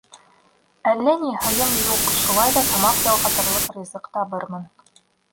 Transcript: Әллә ни һыйым юҡ, шулай ҙа тамаҡ ялғатырлыҡ ризыҡ табырмын.